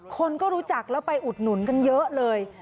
คนก็รู้จักแล้วไปอุดหนุนกันเยอะเลย